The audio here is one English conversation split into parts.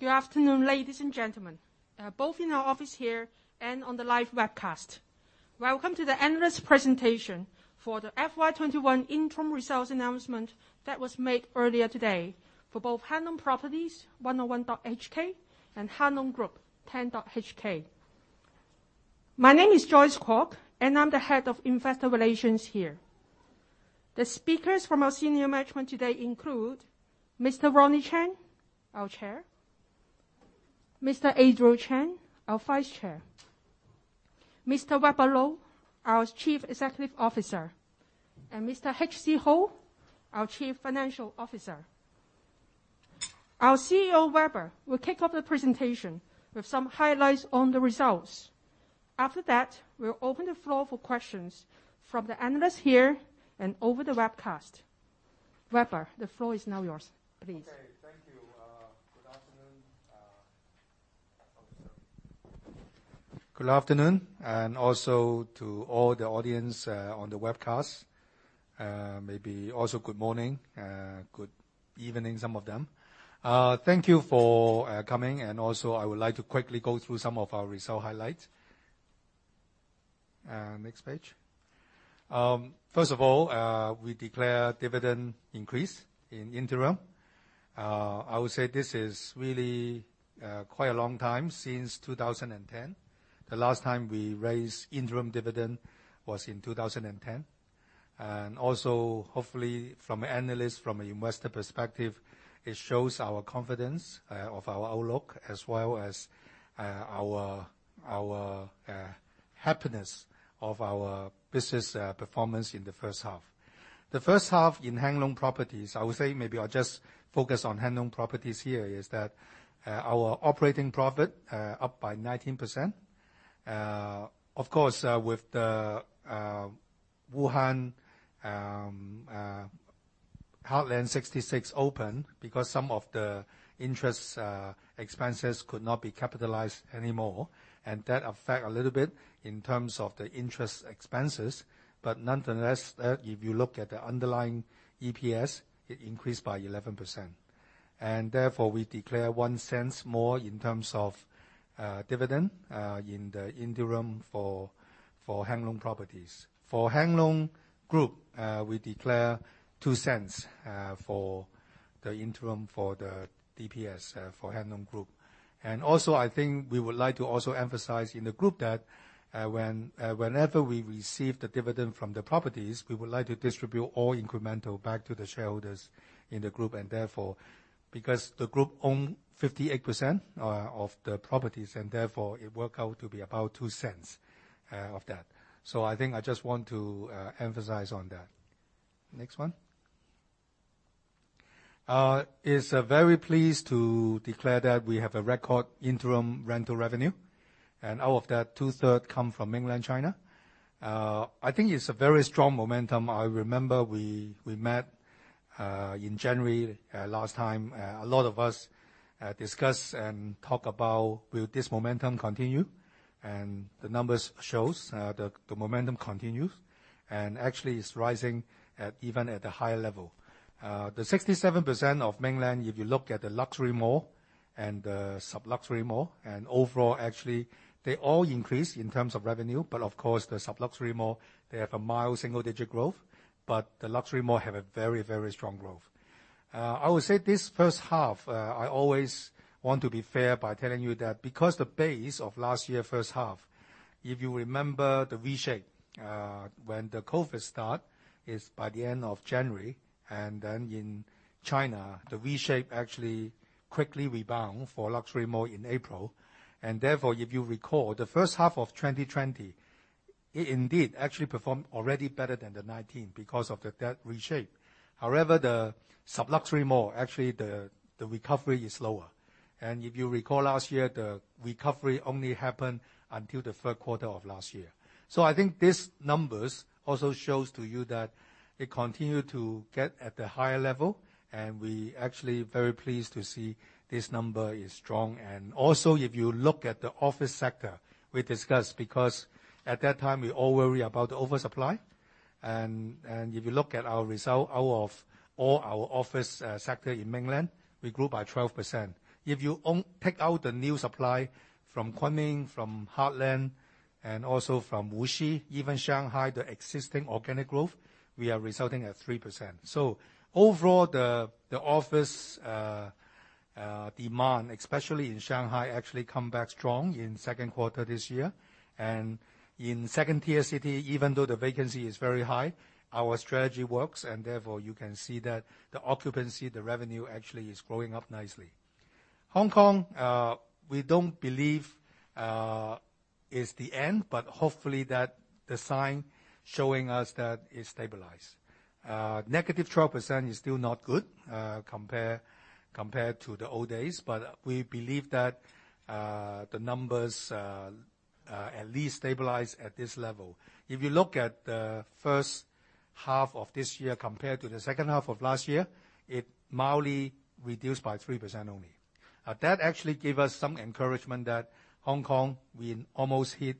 Thank you. Good afternoon, ladies and gentlemen, both in our office here and on the live webcast. Welcome to the analyst presentation for the FY 2021 interim results announcement that was made earlier today for both Hang Lung Properties, 101.HK, and Hang Lung Group, 10.HK. My name is Joyce Kwock, and I'm the Head of Investor Relations here. The speakers from our Senior Management today include Mr. Ronnie Chan, our Chair, Mr. Adriel Chan, our Vice-Chair, Mr. Weber Lo, our Chief Executive Officer, and Mr. H.C. Ho, our Chief Financial Officer. Our CEO, Weber, will kick off the presentation with some highlights on the results. After that, we'll open the floor for questions from the analysts here and over the webcast. Weber, the floor is now yours, please. Okay. Thank you. Good afternoon. Good afternoon, also to all the audience on the webcast, maybe also good morning, good evening, some of them. Thank you for coming. I would like to quickly go through some of our result highlights. Next page. First of all, we declare dividend increase in interim. I would say this is really quite a long time, since 2010. The last time we raised interim dividend was in 2010. Hopefully from an analyst, from investor perspective, it shows our confidence of our outlook as well as our happiness of our business performance in the first half. The first half in Hang Lung Properties, I would say maybe I'll just focus on Hang Lung Properties here, is that our operating profit up by 19%. Of course, with the Wuhan Heartland 66 open, because some of the interest expenses could not be capitalized anymore, and that affect a little bit in terms of the interest expenses. Nonetheless, if you look at the underlying EPS, it increased by 11%. Therefore, we declare 0.01 more in terms of dividend in the interim for Hang Lung Properties. For Hang Lung Group, we declare 0.02 for the interim for the DPS for Hang Lung Group. Also, I think we would like to also emphasize in the group that whenever we receive the dividend from the properties, we would like to distribute all incremental back to the shareholders in the group. Therefore, because the group own 58% of the properties, and therefore it work out to be about 0.02 of that. I think I just want to emphasize on that. Next one. We are very pleased to declare that we have a record interim rental revenue. Out of that, two-thirds come from Mainland China. I think it's a very strong momentum. I remember we met in January, last time. A lot of us discuss and talk about will this momentum continue. The numbers show the momentum continues. Actually, it's rising at even at a higher level. The 67% of Mainland, if you look at the luxury mall and the sub-luxury mall, overall, actually, they all increase in terms of revenue. Of course, the sub-luxury mall, they have a mild single-digit growth, but the luxury mall has a very, very strong growth. I would say this first half, I always want to be fair by telling you that because the base of last year first half, if you remember the V shape, when the COVID start is by the end of January, then in China, the V shape actually quickly rebound for luxury mall in April. Therefore, if you recall, the first half of 2020, it indeed actually performed already better than the 2019 because of that reshape. The sub-luxury mall, actually the recovery is slower. If you recall last year, the recovery only happened until the third quarter of last year. I think these numbers also shows to you that it continue to get at a higher level, and we actually very pleased to see this number is strong. Also, if you look at the office sector, we discussed because at that time, we all worry about the oversupply. If you look at our result out of all our office sector in mainland, we grew by 12%. If you take out the new supply from Kunming, from Heartland, and also from Wuxi, even Shanghai, the existing organic growth, we are resulting at 3%. Overall, the office demand, especially in Shanghai, actually come back strong in second quarter this year. In second-tier city, even though the vacancy is very high, our strategy works, and therefore, you can see that the occupancy, the revenue actually is growing up nicely. Hong Kong, we don't believe is the end, but hopefully that the sign showing us that it stabilized. -12% is still not good compared to the old days. We believe that the numbers at least stabilize at this level. If you look at the first half of this year compared to the second half of last year, it mildly reduced by 3% only. That actually gave us some encouragement that Hong Kong, we almost hit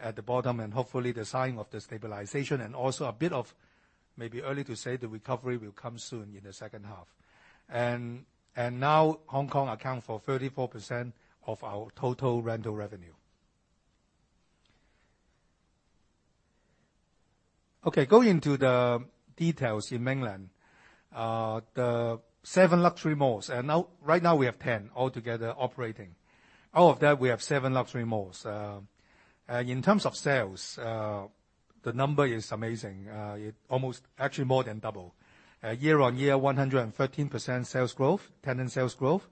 at the bottom, and hopefully the sign of the stabilization and also a bit of, maybe early to say, the recovery will come soon in the second half. Now Hong Kong account for 34% of our total rental revenue. Going into the details in mainland. The seven luxury malls. Right now we have 10 altogether operating. Out of that, we have seven luxury malls. In terms of sales, the number is amazing. Actually more than double. Year-on-year, 113% tenant sales growth.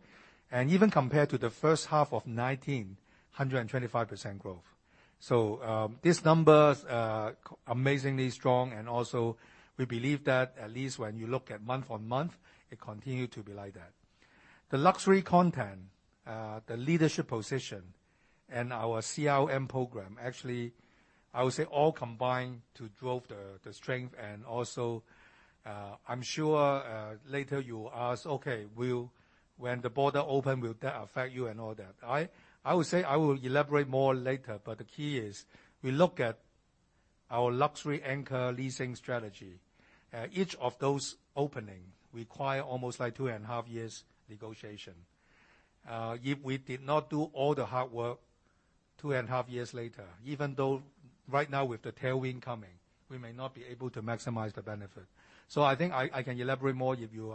Even compared to the first half of 2019, 125% growth. These numbers are amazingly strong and also we believe that at least when you look at month-on-month, it continue to be like that. The luxury content, the leadership position, and our CRM program, actually, I would say all combined to drove the strength and also, I'm sure, later you ask, when the border open, will that affect you and all that. I would say, I will elaborate more later, but the key is we look at our luxury anchor leasing strategy. Each of those opening require almost two and a half years negotiation. If we did not do all the hard work two and a half years later, even though right now with the tailwind coming, we may not be able to maximize the benefit. I think I can elaborate more if you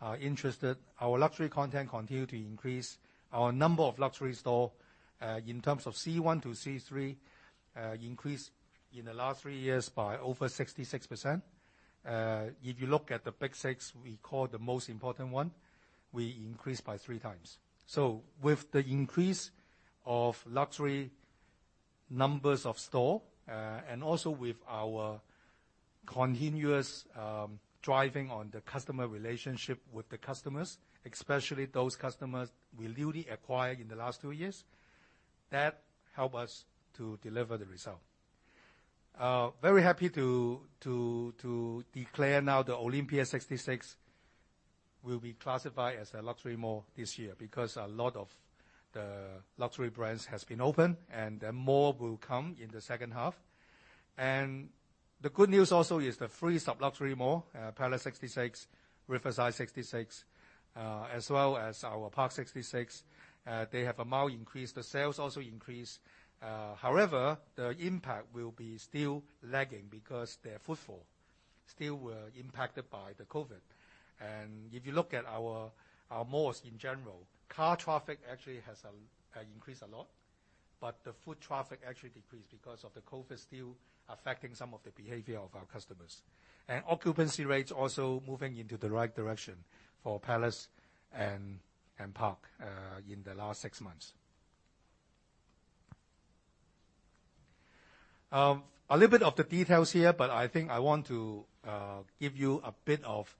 are interested. Our luxury content continue to increase. Our number of luxury store, in terms of C1 to C3, increase in the last three years by over 66%. If you look at the Big Six we call the most important one, we increased by three times. With the increase of luxury numbers of store, and also with our continuous driving on the customer relationship with the customers, especially those customers we newly acquired in the last two years, that help us to deliver the result. Very happy to declare now the Olympia 66 will be classified as a luxury mall this year, because a lot of the luxury brands has been open and then more will come in the second half. The good news also is the three sub-luxury mall, Palace 66, Riverside 66, as well as our Parc 66, they have amount increase, the sales also increase. However, the impact will be still lagging because their footfall still were impacted by the COVID. If you look at our malls in general, car traffic actually has increased a lot. The foot traffic actually decreased because of the COVID still affecting some of the behavior of our customers. Occupancy rates also moving into the right direction for Palace and Parc in the last six months. A little bit of the details here, but I think I want to give you a bit of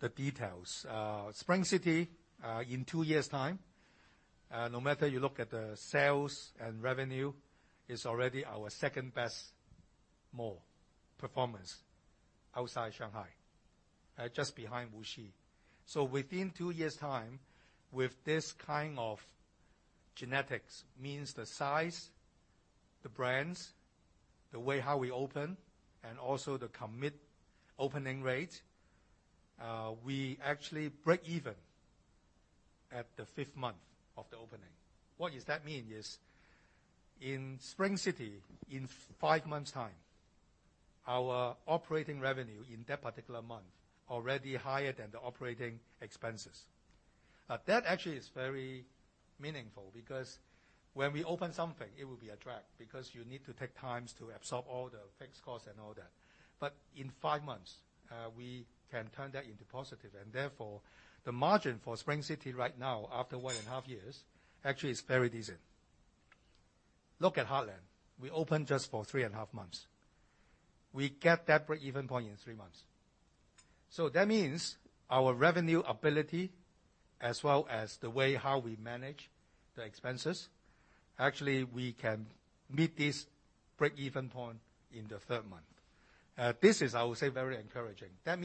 the details. Spring City, in two years time, no matter you look at the sales and revenue, is already our second-best mall performance outside Shanghai, just behind Wuxi. Within two years' time, with this kind of genetics, means the size, the brands, the way how we open, and also the commit opening rate, we actually break even at the fifth month of the opening. What does that mean is, in Spring City, in five months' time, our operating revenue in that particular month already higher than the operating expenses. That actually is very meaningful because when we open something, it will be a drag because you need to take time to absorb all the fixed costs and all that. In five months, we can turn that into positive, and therefore, the margin for Spring City right now, after one and a half years, actually is very decent. Look at Heartland. We open just for three and a half months. We get that break-even point in three months. That means our revenue ability as well as the way how we manage the expenses, actually we can meet this break-even point in the third month. This is, I would say, very encouraging. That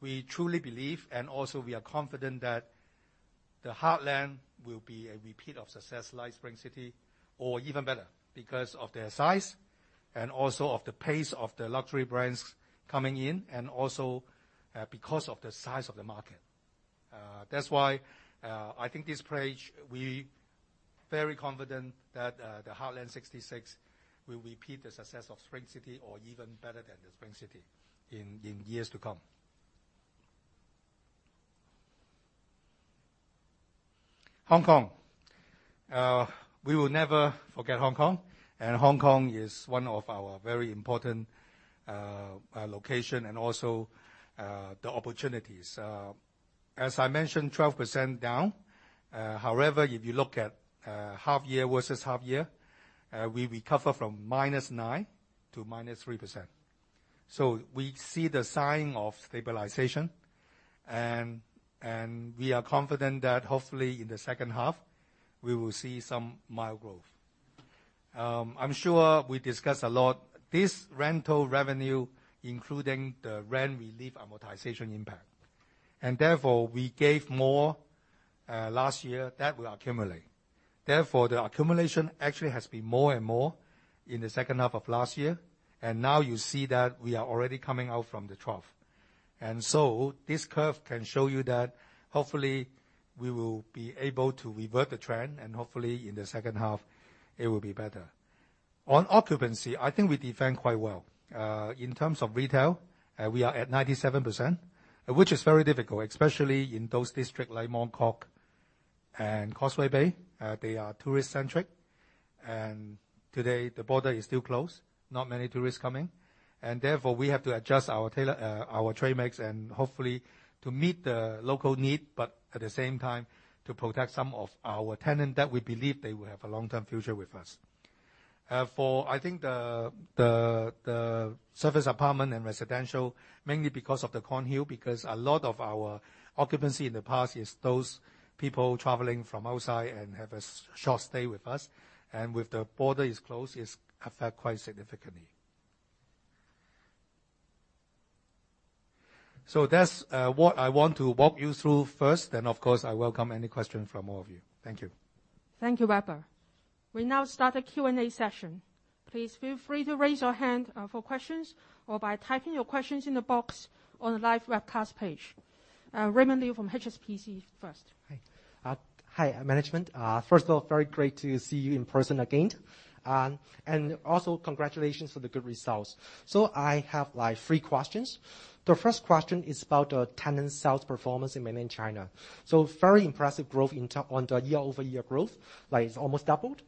means we truly believe and also we are confident that the Heartland will be a repeat of success like Spring City or even better, because of their size and also of the pace of the luxury brands coming in and also because of the size of the market. I think this page, we very confident that the Heartland 66 will repeat the success of Spring City or even better than the Spring City in years to come. Hong Kong. We will never forget Hong Kong. Hong Kong is one of our very important location and also the opportunities. As I mentioned, 12% down. If you look at half year versus half year, we recover from -9% to -3%. We see the sign of stabilization and we are confident that hopefully in the second half we will see some mild growth. I'm sure we discussed a lot. This rental revenue including the rent relief amortization impact. Therefore, we gave more last year that will accumulate. Therefore, the accumulation actually has been more and more in the second half of last year. Now you see that we are already coming out from the trough. This curve can show you that hopefully we will be able to revert the trend and hopefully in the second half it will be better. On occupancy, I think we defend quite well. In terms of retail, we are at 97%, which is very difficult, especially in those districts like Mong Kok and Causeway Bay. They are tourist-centric. Today the border is still closed, not many tourists coming. Therefore we have to adjust our trade mix and hopefully to meet the local need, but at the same time to protect some of our tenants that we believe they will have a long-term future with us. I think the serviced apartment and residential, mainly because of the Kornhill, because a lot of our occupancy in the past is those people traveling from outside and have a short stay with us. With the border is closed, it's affected quite significantly. That's what I want to walk you through first. Of course, I welcome any questions from all of you. Thank you. Thank you, Weber. We now start the Q&A session. Please feel free to raise your hand for questions or by typing your questions in the box on the live webcast page. Raymond Liu from HSBC first. Hi, management. First of all, very great to see you in person again. Congratulations for the good results. I have three questions. The first question is about the tenant sales performance in mainland China. Very impressive growth on the year-over-year growth. It's almost doubled.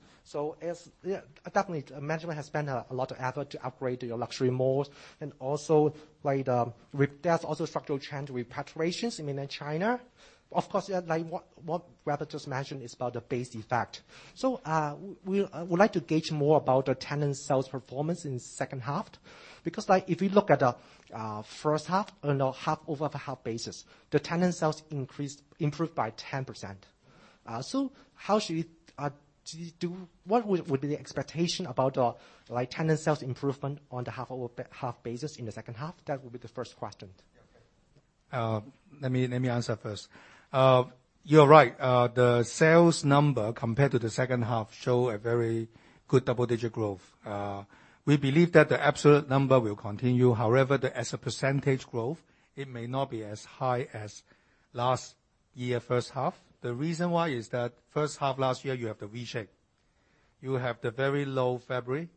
Definitely, management has spent a lot of effort to upgrade your luxury malls and there's also structural change repatriations in mainland China. Of course, what Weber just mentioned is about the base effect. We would like to gauge more about the tenant sales performance in the second half. If you look at the first half, on a half-over-half basis, the tenant sales improved by 10%. What would be the expectation about tenant sales improvement on the half-over-half basis in the second half? That would be the first question. Let me answer first. You're right. The sales number compared to the second half show a very good double-digit growth. We believe that the absolute number will continue. As a percentage growth, it may not be as high as last year, first half. The reason why is that first half last year, you have the V-shape. You have the very low February,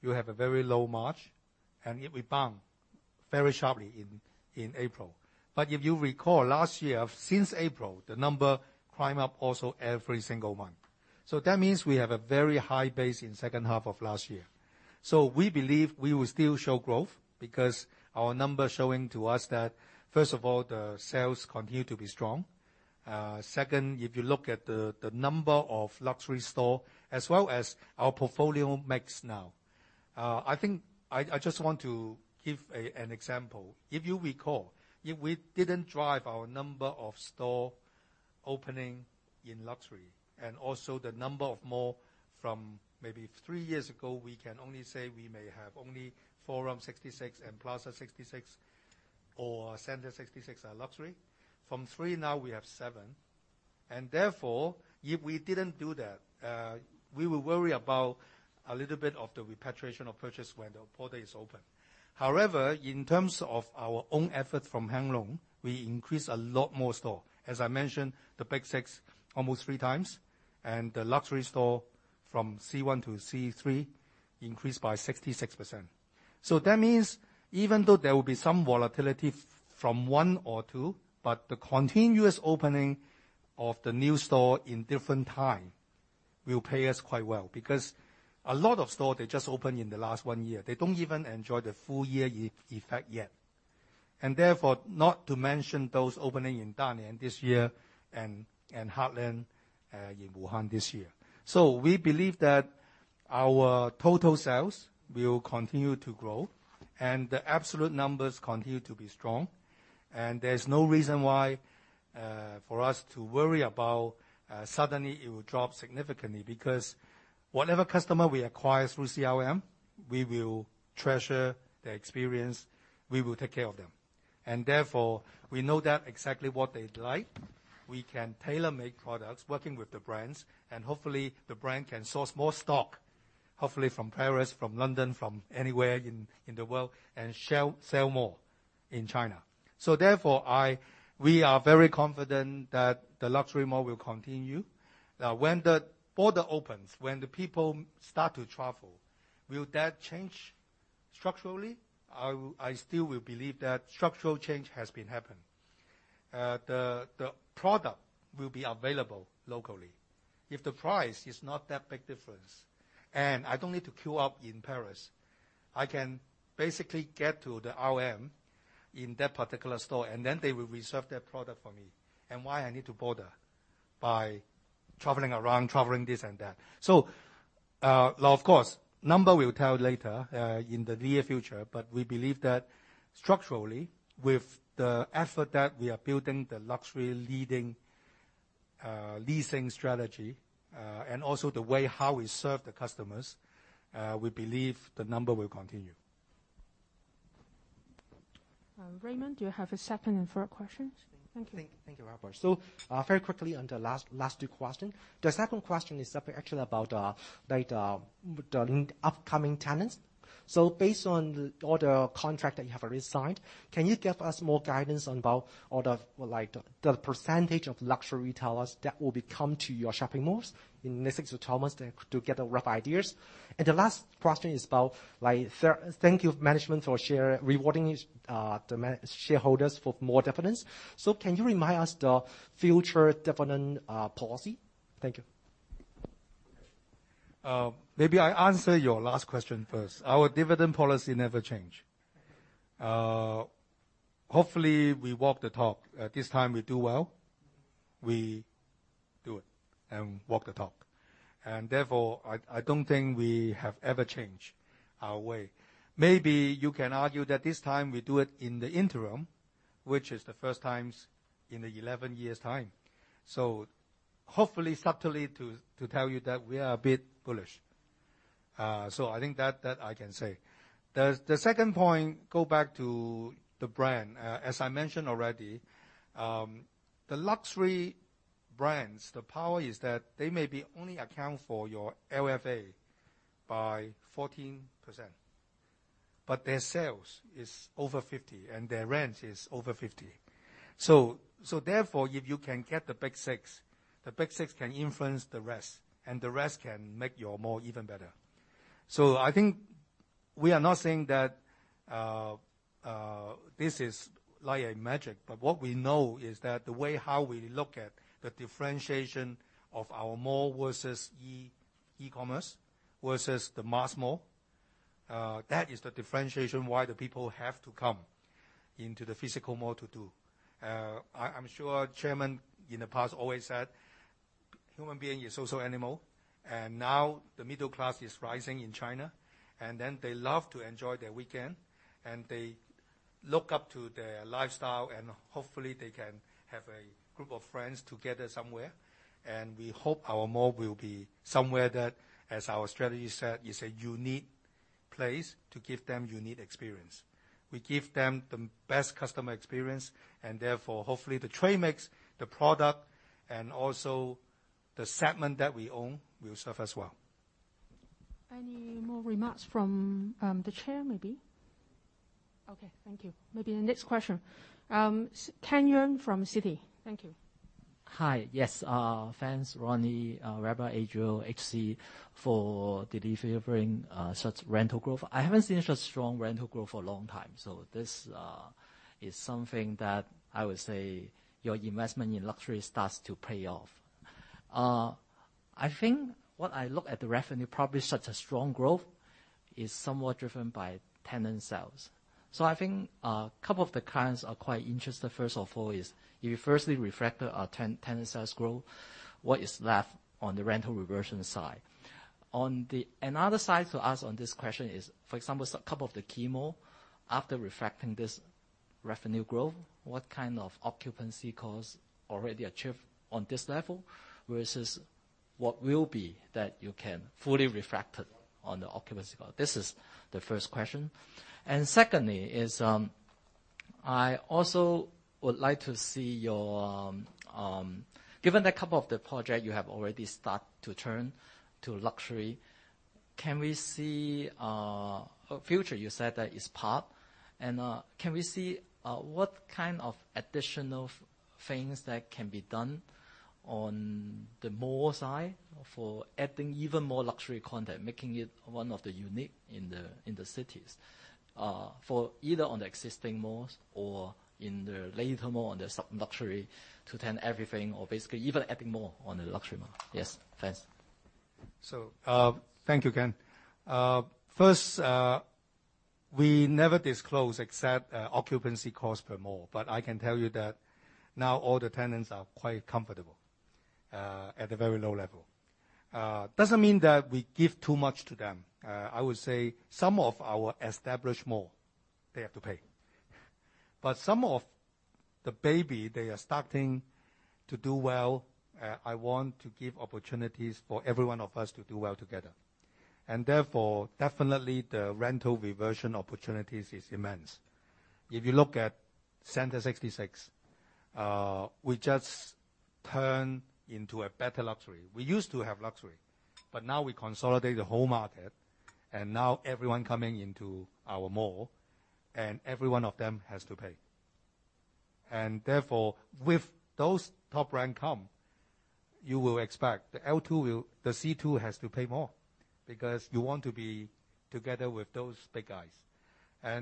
you have a very low March, it rebound very sharply in April. If you recall, last year, since April, the number climb up also every single month. That means we have a very high base in second half of last year. We believe we will still show growth because our numbers showing to us that first of all, the sales continue to be strong. Second, if you look at the number of luxury store as well as our portfolio mix now. I think I just want to give an example. If you recall, we didn't drive our number of store opening in luxury and also the number of mall from maybe three years ago, we can only say we may have only Forum 66 and Plaza 66 or Center 66 are luxury. From three, now we have seven. Therefore, if we didn't do that, we will worry about a little bit of the repatriation of purchase when the border is open. However, in terms of our own effort from Hang Lung, we increase a lot more store. As I mentioned, the Big Six almost three times, and the luxury store from C1 to C3 increased by 66%. That means even though there will be some volatility from one or two, the continuous opening of the new store in different time will pay us quite well because a lot of stores, they just opened in the last one year. They don't even enjoy the full year effect yet. Therefore, not to mention those opening in Dalian this year and Heartland in Wuhan this year. We believe that our total sales will continue to grow and the absolute numbers continue to be strong. There's no reason why for us to worry about suddenly it will drop significantly because whatever customer we acquire through CRM, we will treasure their experience, we will take care of them. Therefore, we know that exactly what they like. We can tailor make products working with the brands, and hopefully the brand can source more stock, hopefully from Paris, from London, from anywhere in the world and sell more in China. Therefore, we are very confident that the luxury mall will continue. When the border opens, when the people start to travel, will that change structurally? I still will believe that structural change has been happening. The product will be available locally. If the price is not that big difference and I don't need to queue up in Paris, I can basically get to the RM in that particular store and then they will reserve that product for me. Why I need to bother by traveling around, traveling this and that. Of course, number will tell later in the near future, but we believe that structurally, with the effort that we are building the luxury leasing strategy, and also the way how we serve the customers, we believe the number will continue. Raymond, do you have a second and third question? Thank you. Thank you, Weber. Very quickly on the last two questions. The second question is actually about the upcoming tenants. Based on all the contracts that you have already signed, can you give us more guidance about the percentage of luxury retailers that will be coming to your shopping malls in to get rough ideas? The last question is about thank you management for rewarding the shareholders for more dividends. Can you remind us the future dividend policy? Thank you. Maybe I answer your last question first. Our dividend policy never change. Hopefully we walk the talk. This time we do well. We do it and walk the talk. I don't think we have ever changed our way. Maybe you can argue that this time we do it in the interim, which is the first time in 11 years. Hopefully subtly to tell you that we are a bit bullish. I think that I can say. The second point, go back to the brand. As I mentioned already, the luxury brands, the power is that they maybe only account for your LFA by 14%, but their sales is over 50% and their rent is over 50%. If you can get the Big Six, the Big Six can influence the rest, and the rest can make your mall even better. I think we are not saying that this is like magic, but what we know is that the way how we look at the differentiation of our mall versus e-commerce, versus the mass mall, that is the differentiation why the people have to come into the physical mall to do. I'm sure chairman in the past always said human being is social animal, and now the middle class is rising in China, and then they love to enjoy their weekend, and they look up to their lifestyle, and hopefully they can have a group of friends together somewhere. We hope our mall will be somewhere that, as our strategy said, it's a unique place to give them unique experience. We give them the best customer experience, and therefore, hopefully the trade mix, the product, and also the segment that we own will serve us well. Any more remarks from the Chair, maybe? Okay, thank you. Maybe the next question. Ken Yeung from Citi. Thank you. Hi. Yes. Thanks, Ronnie, Weber, Adriel, H.C. for delivering such rental growth. I haven't seen such strong rental growth for a long time. This is something that I would say your investment in luxury starts to pay off. I think what I look at the revenue, probably such a strong growth is somewhat driven by tenant sales. I think a couple of the clients are quite interested. First of all, if you firstly refractor our tenant sales growth, what is left on the rental reversion side? Another side to ask on this question, for example, a couple of the key mall, after refracting this revenue growth, what kind of occupancy costs already achieved on this level versus what will be that you can fully refract it on the occupancy cost? This is the first question. Secondly is, I also would like to see, given that a couple of the project you have already start to turn to luxury, can we see our future? You said that it's part. Can we see what kind of additional things that can be done on the mall side for adding even more luxury content, making it one of the unique in the cities? For either on the existing malls or in the later mall, on the sub-luxury to turn everything or basically even adding more on the luxury mall. Yes. Thanks. Thank you, Ken. First, we never disclose except occupancy cost per mall. I can tell you that now all the tenants are quite comfortable at a very low level. Doesn't mean that we give too much to them. I would say some of our established mall, they have to pay. Some of the baby, they are starting to do well. I want to give opportunities for every one of us to do well together. Therefore, definitely the rental reversion opportunities is immense. If you look at Center 66, we just turn into a better luxury. We used to have luxury, but now we consolidate the whole market and now everyone coming into our mall and every one of them has to pay. Therefore, with those top brands come, you will expect the C2 has to pay more because you want to be together with those big guys.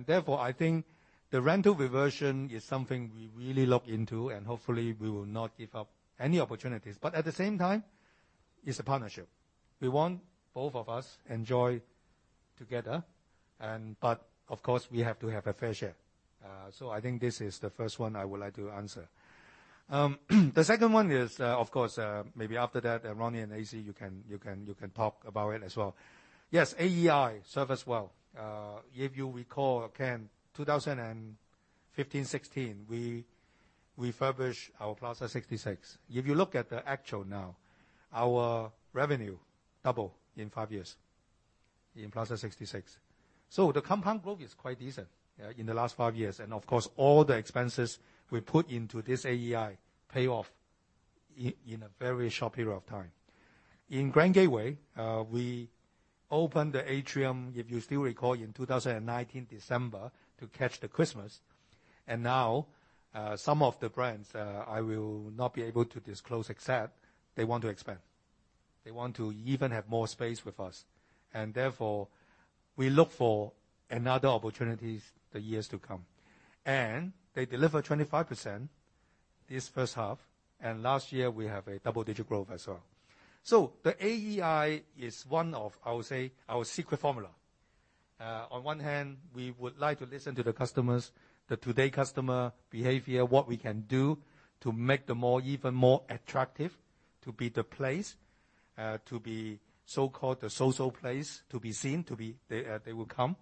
Therefore, I think the rental reversion is something we really look into and hopefully we will not give up any opportunities. At the same time, it's a partnership. We want both of us enjoy together, but of course, we have to have a fair share. I think this is the first one I would like to answer. The second one is, of course, maybe after that, Ronnie and H.C., you can talk about it as well. Yes, AEI serve us well. If you recall, Ken, 2015, 2016, we refurbished our Plaza 66. If you look at the actual now, our revenue double in five years in Plaza 66. The compound growth is quite decent in the last five years. Of course, all the expenses we put into this AEI pay off in a very short period of time. In Grand Gateway, we opened the atrium, if you still recall, in 2019 December to catch the Christmas. Now, some of the brands, I will not be able to disclose, except they want to expand. They want to even have more space with us, and therefore, we look for another opportunities the years to come. They deliver 25% this first half, and last year we have a double-digit growth as well. The AEI is one of, I would say, our secret formula. On one hand, we would like to listen to the customers, the today customer behavior, what we can do to make them even more attractive, to be the place, to be so-called the social place, to be seen, they will come.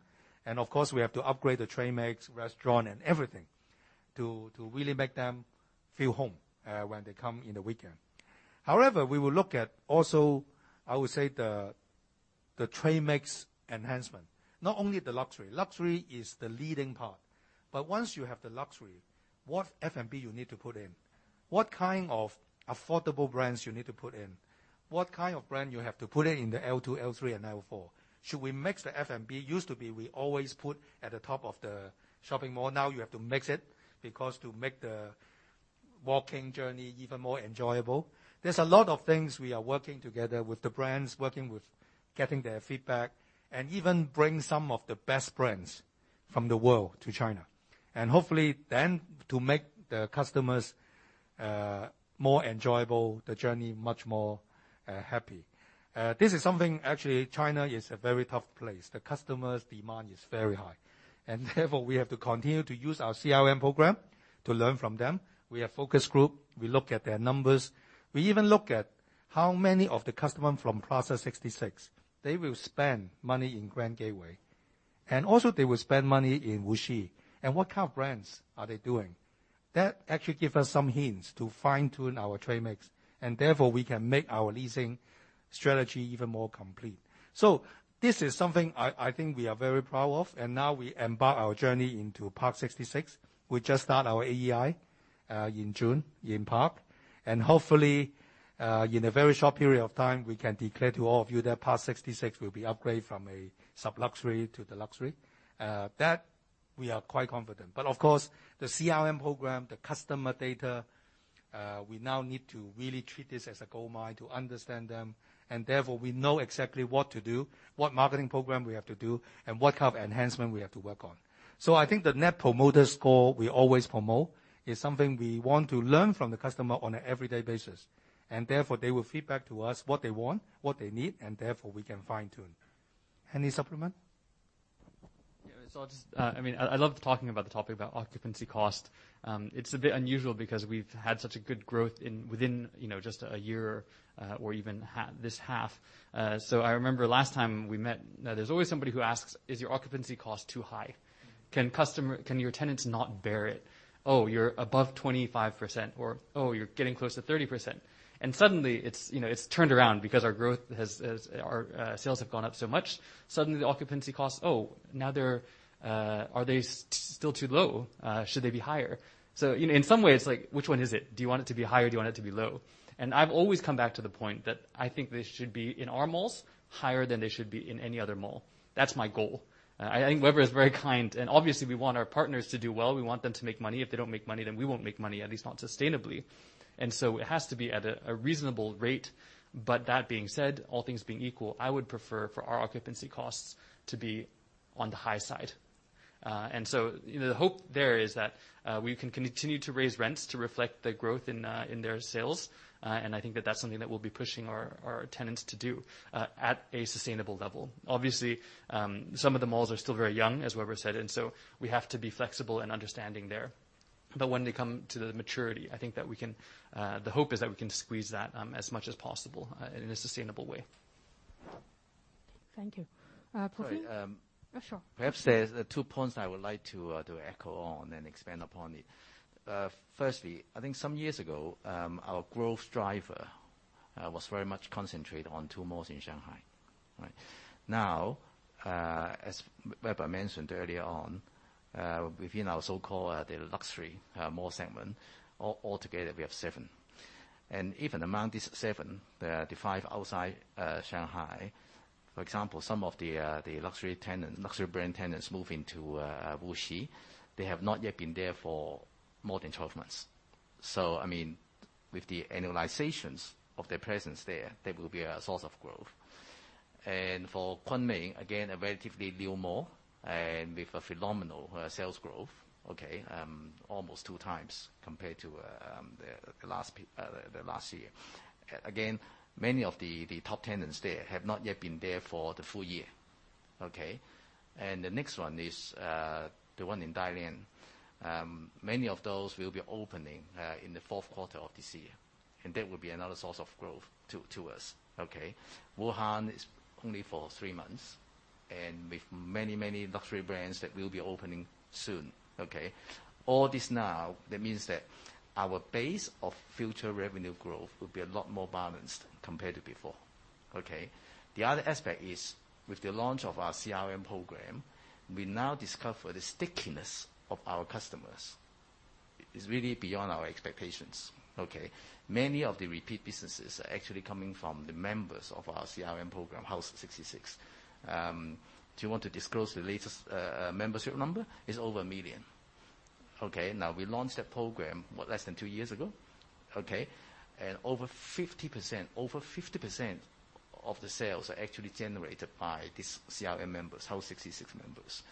Of course, we have to upgrade the trade mix, restaurant and everything to really make them feel home when they come in the weekend. However, we will look at also, I would say the trade mix enhancement. Not only the luxury. Luxury is the leading part. Once you have the luxury, what F&B you need to put in? What kind of affordable brands you need to put in? What kind of brand you have to put in in the L2, L3, and L4? Should we mix the F&B? Used to be, we always put at the top of the shopping mall. Now you have to mix it because to make the walking journey even more enjoyable. There is a lot of things we are working together with the brands, working with getting their feedback and even bring some of the best brands from the world to China. Hopefully then to make the customers, more enjoyable, the journey, much more happy. This is something actually. China is a very tough place. The customers' demand is very high, therefore we have to continue to use our CRM program to learn from them. We have focus group. We look at their numbers. We even look at how many of the customer from Plaza 66, they will spend money in Grand Gateway, also they will spend money in Wuxi. What kind of brands are they doing? That actually give us some hints to fine-tune our trade mix, therefore we can make our leasing strategy even more complete. This is something I think we are very proud of. Now we embark our journey into Parc 66. We just start our AEI in June in Parc, hopefully, in a very short period of time, we can declare to all of you that Parc 66 will be upgraded from a sub-luxury to the luxury. That we are quite confident. Of course, the CRM program, the customer data, we now need to really treat this as a goldmine to understand them. Therefore we know exactly what to do, what marketing program we have to do, and what kind of enhancement we have to work on. I think the Net Promoter Score we always promote is something we want to learn from the customer on an everyday basis, and therefore they will feed back to us what they want, what they need, and therefore we can fine-tune. Any supplement? Yeah. I love talking about the topic about occupancy cost. It's a bit unusual because we've had such a good growth within just a year, or even this half. I remember last time we met, there's always somebody who asks, "Is your occupancy cost too high? Can your tenants not bear it? Oh, you're above 25%. "Or, "Oh, you're getting close to 30%." Suddenly it's turned around because our sales have gone up so much. Suddenly the occupancy costs, oh, now are they still too low? Should they be higher? In some ways, like, which one is it? Do you want it to be higher? Do you want it to be low? I've always come back to the point that I think they should be, in our malls, higher than they should be in any other mall. That's my goal. I think Weber is very kind and obviously we want our partners to do well. We want them to make money. If they don't make money, then we won't make money, at least not sustainably. It has to be at a reasonable rate. That being said, all things being equal, I would prefer for our occupancy costs to be on the high side. The hope there is that we can continue to raise rents to reflect the growth in their sales. I think that that's something that we'll be pushing our tenants to do at a sustainable level. Obviously, some of the malls are still very young, as Weber said, and so we have to be flexible and understanding there. When they come to the maturity, the hope is that we can squeeze that as much as possible in a sustainable way. Thank you. Ronnie? Sorry. Sure. Perhaps there's two points I would like to echo on and expand upon it. Firstly, I think some years ago, our growth driver was very much concentrated on two malls in Shanghai. Right? As Weber mentioned earlier on, within our so-called the luxury mall segment, altogether we have seven. Even among these seven, the five outside Shanghai, for example, some of the luxury brand tenants move into Wuxi. They have not yet been there for more than 12 months. With the annualizations of their presence there, they will be a source of growth. For Kunming, again, a relatively new mall and with a phenomenal sales growth, okay, almost two times compared to the last year. Again, many of the top tenants there have not yet been there for the full year. Okay. The next one is, the one in Dalian. Many of those will be opening in the fourth quarter of this year. That will be another source of growth to us. Wuhan is only for three months, and with many luxury brands that will be opening soon. All this now, that means that our base of future revenue growth will be a lot more balanced compared to before. The other aspect is with the launch of our CRM program, we now discover the stickiness of our customers is really beyond our expectations. Many of the repeat businesses are actually coming from the members of our CRM program, HOUSE 66. Do you want to disclose the latest membership number? It's over million. Now, we launched that program, what, less than two years ago? Okay. Over 50% of the sales are actually generated by these CRM members, HOUSE 66 members.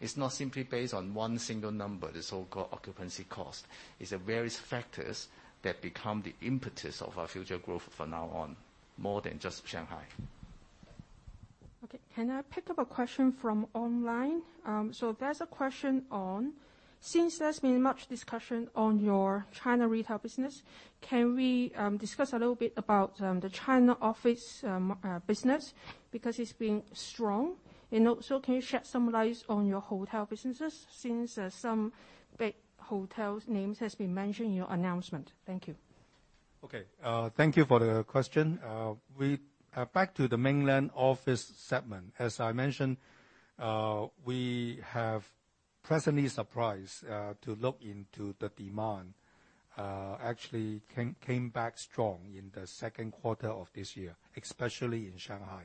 It's not simply based on one single number, the so-called occupancy cost. It's various factors that become the impetus of our future growth from now on, more than just Shanghai. Okay, can I pick up a question from online? There's a question on, since there's been much discussion on your China retail business, can we discuss a little bit about the China office business because it's been strong? Also, can you shed some light on your hotel businesses since some big hotel names have been mentioned in your announcement? Thank you. Okay. Thank you for the question. Back to the mainland office segment. As I mentioned, we have pleasantly surprised to look into the demand. Actually came back strong in the second quarter of this year, especially in Shanghai.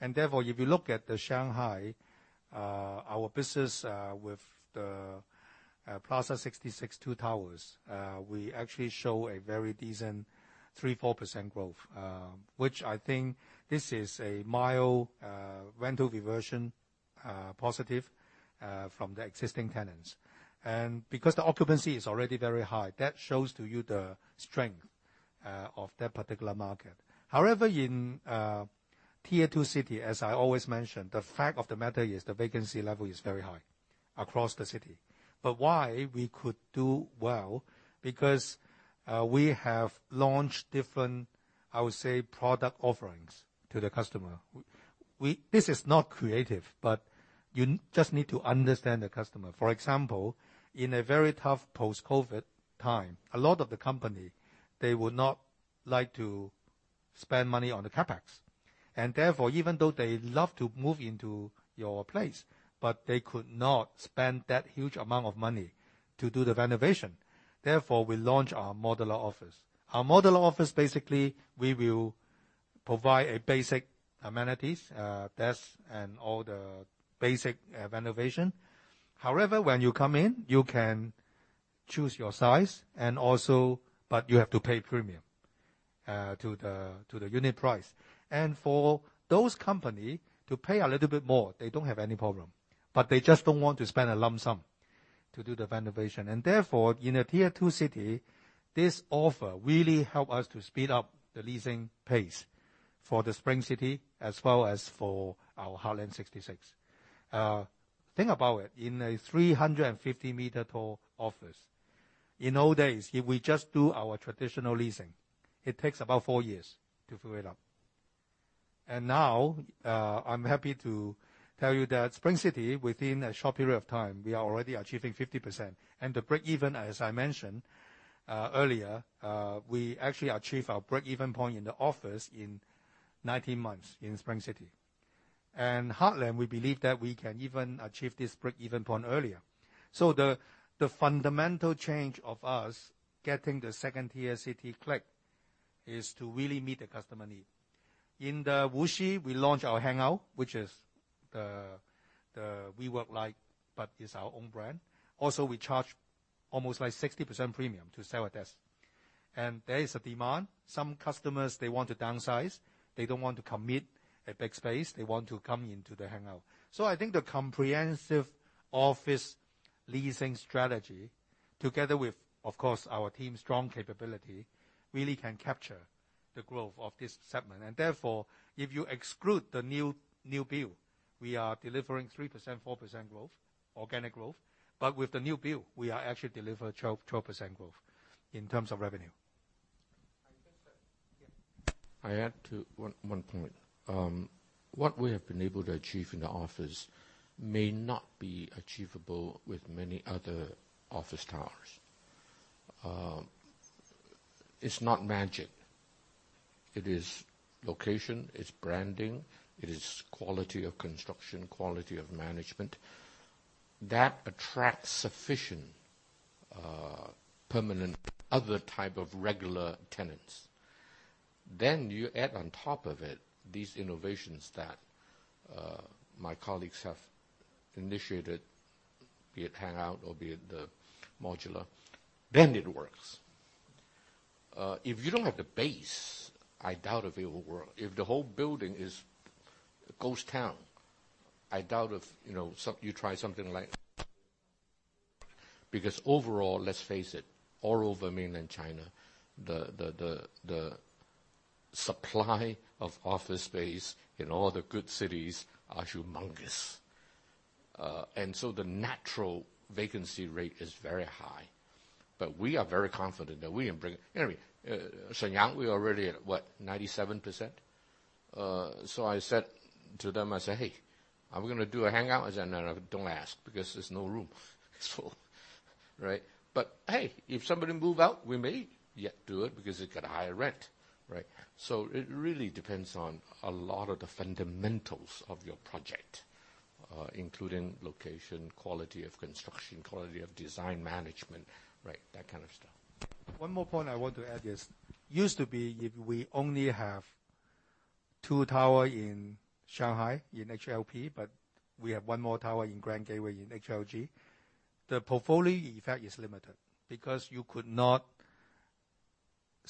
Therefore, if you look at Shanghai, our business with the Plaza 66 two towers, we actually show a very decent 3%-4% growth. Which I think this is a mild rental reversion positive from the existing tenants. Because the occupancy is already very high, that shows to you the strength of that particular market. However, in Tier 2 city, as I always mention, the fact of the matter is the vacancy level is very high across the city. Why we could do well, because we have launched different, I would say, product offerings to the customer. This is not creative, but you just need to understand the customer. For example, in a very tough post-COVID time, a lot of the company, they would not like to spend money on the CapEx. Therefore, even though they love to move into your place, but they could not spend that huge amount of money to do the renovation. Therefore, we launch our modular office. Our modular office, basically, we will provide basic amenities, desk, and all the basic renovation. However, when you come in, you can choose your size. But you have to pay premium to the unit price. For those company to pay a little bit more, they don't have any problem. They just don't want to spend a lump sum to do the renovation. Therefore, in a Tier 2 city, this offer really help us to speed up the leasing pace for the Spring City as well as for our Heartland 66. Think about it, in a 350-meter tall office. In old days, if we just do our traditional leasing, it takes about four years to fill it up. Now, I'm happy to tell you that Spring City, within a short period of time, we are already achieving 50%. The breakeven, as I mentioned earlier, we actually achieve our breakeven point in the office in 19 months in Spring City. Heartland, we believe that we can even achieve this breakeven point earlier. The fundamental change of us getting the second-tier city click, is to really meet the customer need. In the Wuxi, we launch our HANGOUT, which is the WeWork-like but is our own brand. Also, we charge almost like 60% premium to sell a desk. There is a demand. Some customers, they want to downsize. They don't want to commit a big space. They want to come into the HANGOUT. I think the comprehensive office leasing strategy together with, of course, our team's strong capability, really can capture the growth of this segment. Therefore, if you exclude the new build, we are delivering 3%, 4% growth, organic growth. With the new build, we are actually delivering 12% growth in terms of revenue. I think that I add one point. What we have been able to achieve in the office may not be achievable with many other office towers. It's not magic. It is location, it's branding, it is quality of construction, quality of management that attracts sufficient, permanent, other type of regular tenants. You add on top of it these innovations that my colleagues have initiated, be it hangout or be it the modular, then it works. If you don't have the base, I doubt if it will work. If the whole building is a ghost town. Overall, let's face it, all over mainland China, the supply of office space in all the good cities are humongous. The natural vacancy rate is very high. Anyway, Shenyang, we are already at what, 97%? I said to them, I said, "Hey, are we going to do a hangout?" They said, "No, don't ask because there's no room." It's full. Right. Hey, if somebody move out, we may yet do it because it got higher rent. Right. It really depends on a lot of the fundamentals of your project, including location, quality of construction, quality of design management. Right. That kind of stuff. One more point I want to add is, used to be, if we only have two tower in Shanghai, in HLP, but we have one more tower in Grand Gateway in HLG. The portfolio effect is limited because you could not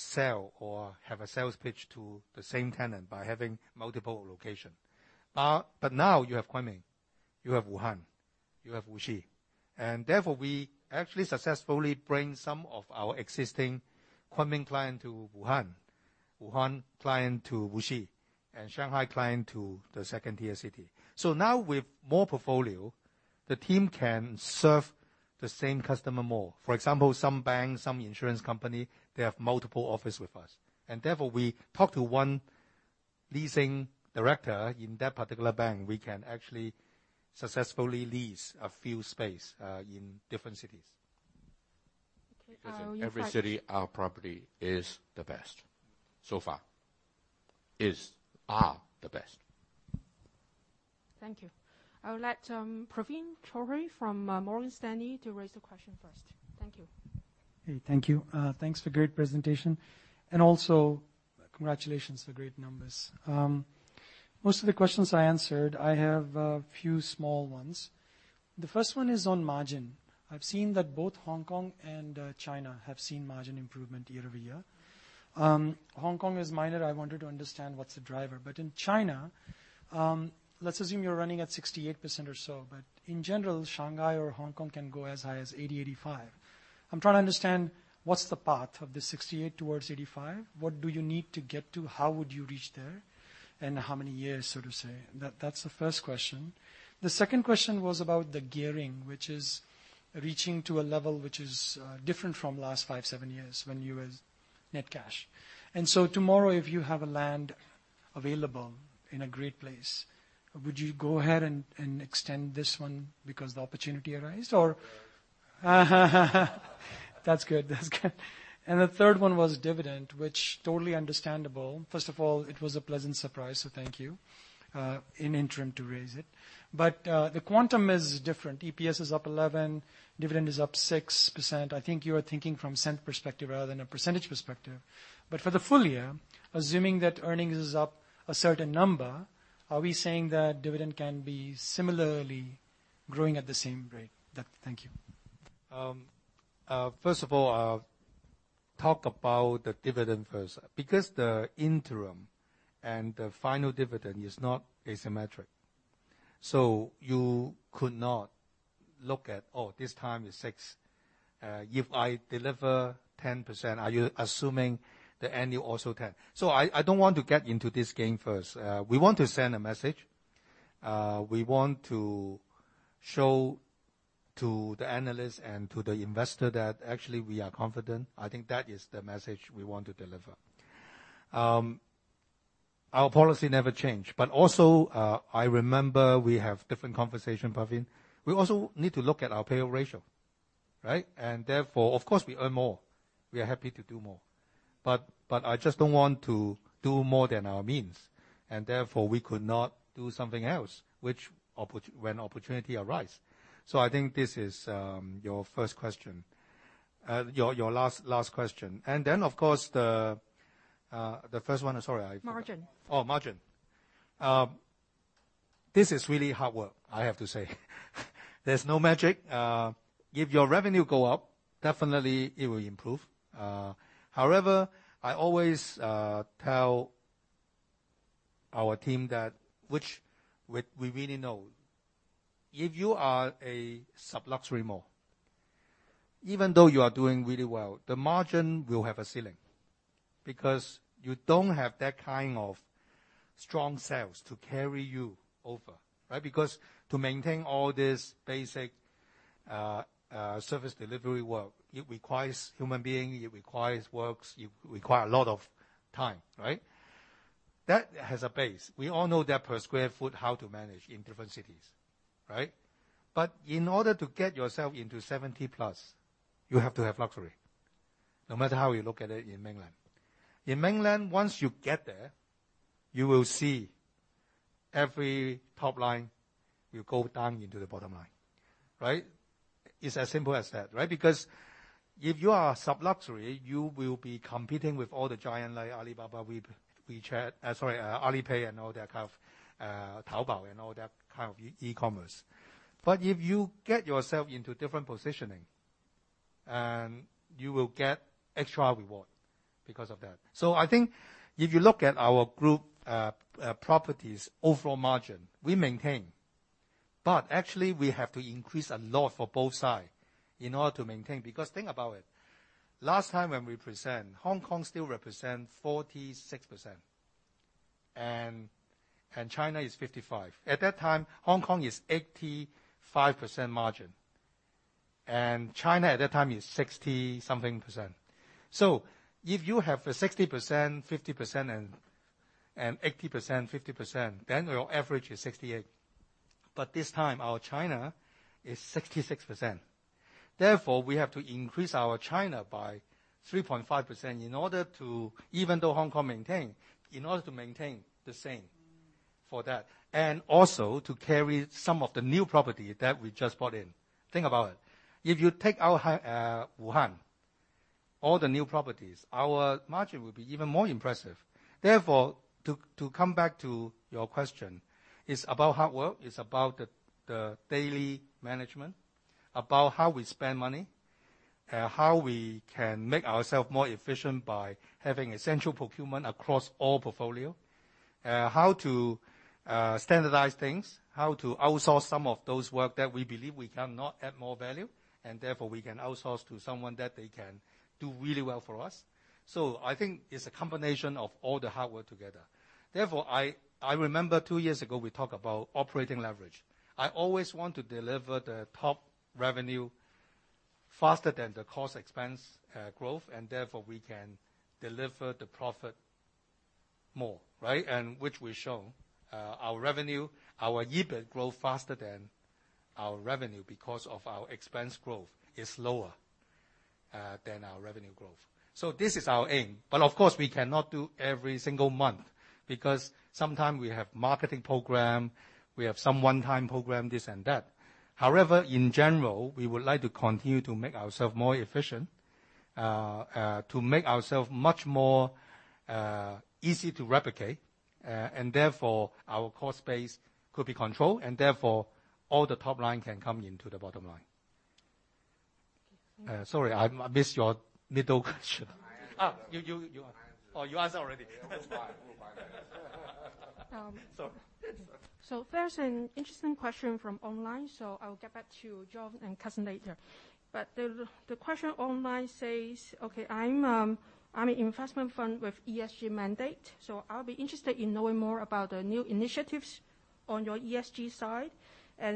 sell or have a sales pitch to the same tenant by having multiple location. Now you have Kunming, you have Wuhan, you have Wuxi, and therefore we actually successfully bring some of our existing Kunming client to Wuhan client to Wuxi, and Shanghai client to the second tier city. Now with more portfolio, the team can serve the same customer more. For example, some banks, some insurance company, they have multiple office with us. Therefore, we talk to one leasing director in that particular bank, we can actually successfully lease a few space in different cities. In every city, our property is the best so far, is are the best. Thank you. I would let Praveen Choudhary from Morgan Stanley to raise the question first. Thank you. Hey, thank you. Thanks for great presentation and also congratulations for great numbers. Most of the questions are answered. I have a few small ones. The first one is on margin. I've seen that both Hong Kong and China have seen margin improvement year-over-year. Hong Kong is minor. I wanted to understand what's the driver. In China, let's assume you're running at 68% or so, but in general, Shanghai or Hong Kong can go as high as 80%-85%. I'm trying to understand what's the path of the 68% towards 85%. What do you need to get to? How would you reach there? How many years, so to say? That's the first question. The second question was about the gearing, which is reaching to a level which is different from last five, seven years when you was net cash. Tomorrow, if you have a land available in a great place, would you go ahead and extend this one because the opportunity arise or that's good? The third one was dividend, which is totally understandable. First of all, it was a pleasant surprise, so thank you, in interim to raise it. The quantum is different. EPS is up 11%, dividend is up 6%. I think you're thinking from cent perspective rather than a percentage perspective. For the full year, assuming that earnings is up a certain number, are we saying that dividend can be similarly growing at the same rate? Thank you. First of all, I'll talk about the dividend first. Because the interim and the final dividend is not asymmetric. You could not look at, oh, this time it's six. If I deliver 10%, are you assuming the annual also 10? I don't want to get into this game first. We want to send a message. We want to show to the analyst and to the investor that actually we are confident. I think that is the message we want to deliver. Our policy never change. Also, I remember we have different conversation, Praveen. We also need to look at our payout ratio, right? Therefore, of course, we earn more. We are happy to do more. I just don't want to do more than our means. Therefore, we could not do something else, when opportunity arise. I think this is your first question your last question. Margin. Margin. This is really hard work, I have to say. There's no magic. If your revenue go up, definitely it will improve. I always tell our team that which we really know. If you are a sub-luxury mall, even though you are doing really well, the margin will have a ceiling because you don't have that kind of strong sales to carry you over, right? To maintain all this basic service delivery work, it requires human being, it requires works, it require a lot of time, right? That has a base. We all know that per square foot how to manage in different cities, right? In order to get yourself into 70+, you have to have luxury. No matter how you look at it in mainland. In Mainland, once you get there, you will see every top line will go down into the bottom line, right? It's as simple as that, right? If you are sub-luxury, you will be competing with all the giant like Alibaba, WeChat, sorry, Alipay and all that kind of Taobao and all that kind of e-commerce. If you get yourself into different positioning, and you will get extra reward because of that. I think if you look at our Group Properties' overall margin, we maintain. Actually we have to increase a lot for both side in order to maintain, because think about it. Last time when we present, Hong Kong still represent 46%. And China is 55%. At that time, Hong Kong is 85% margin, and China at that time is 60-something percent. If you have a 60%, 50% and 80%, 50%, then your average is 68%. This time, our China is 66%. We have to increase our China by 3.5%, even though Hong Kong maintained, in order to maintain the same for that, and also to carry some of the new property that we just brought in. Think about it. If you take our Wuhan, all the new properties, our margin will be even more impressive. To come back to your question, it's about hard work, it's about the daily management, about how we spend money, how we can make ourselves more efficient by having a central procurement across all portfolio. How to standardize things, how to outsource some of those work that we believe we cannot add more value, and therefore we can outsource to someone that they can do really well for us. I think it's a combination of all the hard work together. I remember two years ago, we talk about operating leverage. I always want to deliver the top revenue faster than the cost expense growth, and therefore we can deliver the profit more, right? Which we've shown. Our EBIT growth faster than our revenue because of our expense growth is lower than our revenue growth. This is our aim. Of course, we cannot do every single month, because sometimes we have marketing program, we have some one-time program, this and that. In general, we would like to continue to make ourselves more efficient, to make ourselves much more easy to replicate, and therefore our cost base could be controlled, and therefore all the top line can come into the bottom line. Sorry, I missed your middle question. I answered. Oh, you answered already. Yeah, we're fine. We're fine. Sorry. There's an interesting question from online, so I'll get back to John and Cusson later. The question online says, "Okay, I'm an investment fund with ESG mandate, so I'll be interested in knowing more about the new initiatives on your ESG side.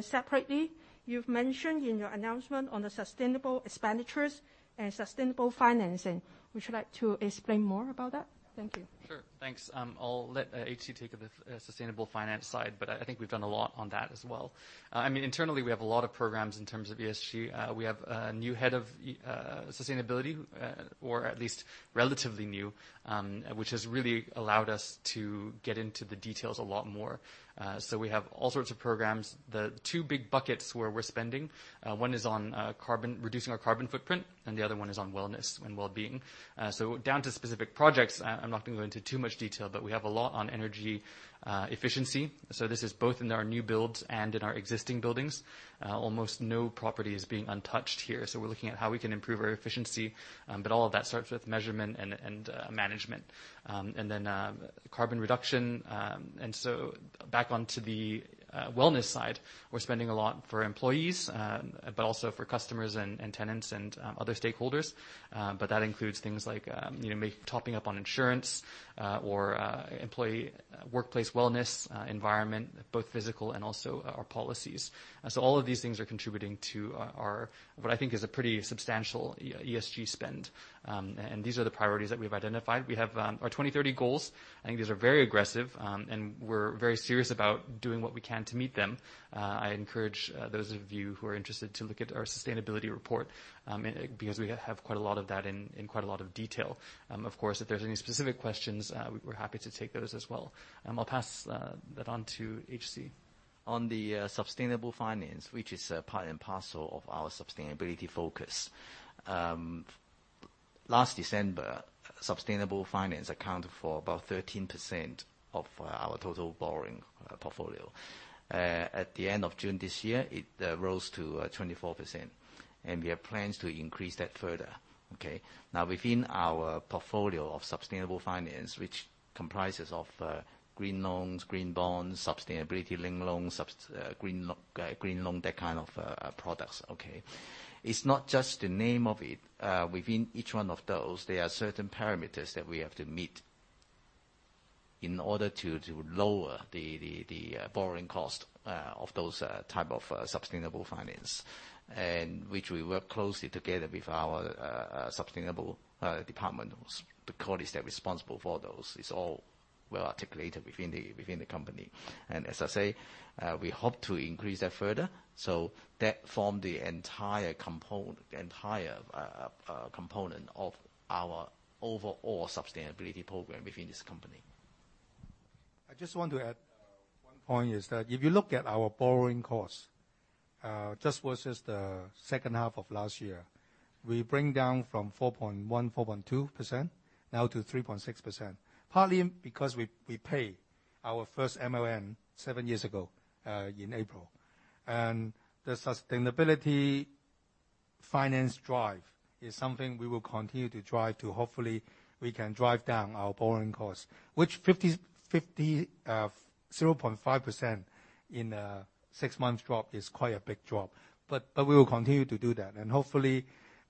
Separately, you've mentioned in your announcement on the sustainable expenditures and sustainable financing. Would you like to explain more about that?" Thank you. Sure. Thanks. I'll let H.C. take the sustainable finance side, but I think we've done a lot on that as well. Internally, we have a lot of programs in terms of ESG. We have a new head of sustainability, or at least relatively new, which has really allowed us to get into the details a lot more. We have all sorts of programs. The two big buckets where we're spending, one is on reducing our carbon footprint, and the other one is on wellness and wellbeing. Down to specific projects, I'm not going to go into too much detail, but we have a lot on energy efficiency. This is both in our new builds and in our existing buildings. Almost no property is being untouched here. We're looking at how we can improve our efficiency. All of that starts with measurement and management. Carbon reduction. Back onto the wellness side, we're spending a lot for employees, but also for customers and tenants and other stakeholders. That includes things like topping up on insurance or employee workplace wellness environment, both physical and also our policies. All of these things are contributing to our, what I think is a pretty substantial ESG spend. These are the priorities that we've identified. We have our 2030 goals. I think these are very aggressive, and we're very serious about doing what we can to meet them. I encourage those of you who are interested to look at our sustainability report, because we have quite a lot of that in quite a lot of detail. Of course, if there's any specific questions, we're happy to take those as well. I'll pass that on to H.C. On the sustainable finance, which is part and parcel of our sustainability focus. Last December, sustainable finance accounted for about 13% of our total borrowing portfolio. At the end of June this year, it rose to 24%, and we have plans to increase that further. Okay. Now, within our portfolio of sustainable finance, which comprises of green loans, green bonds, sustainability-linked loans, green loan, that kind of products, okay. It's not just the name of it. Within each one of those, there are certain parameters that we have to meet in order to lower the borrowing cost of those type of sustainable finance, and which we work closely together with our sustainable department, the colleagues that responsible for those. It's all well articulated within the company. As I say, we hope to increase that further. That form the entire component of our overall sustainability program within this company. I just want to add one point, is that if you look at our borrowing costs, just versus the second half of last year. We bring down from 4.1, 4.2% now to 3.6%. Partly because we pay our first MTN seven years ago, in April. The sustainability finance drive is something we will continue to drive to, hopefully, we can drive down our borrowing costs, which 0.5% in a six months drop is quite a big drop. We will continue to do that, hopefully